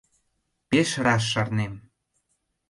Пеш раш шарнем.